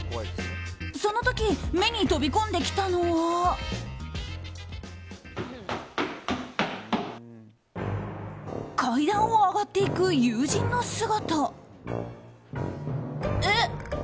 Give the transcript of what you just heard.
その時目に飛び込んできたのは階段を上がっていく友人の姿。